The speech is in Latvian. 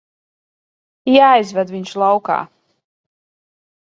Jāizved viņš laukā.